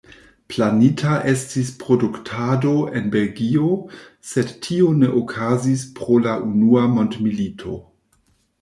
Planita estis produktado en Belgio, sed tio ne okazis pro la unua mondmilito.